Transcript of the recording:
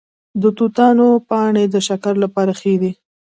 د توتانو پاڼې د شکر لپاره ښې دي؟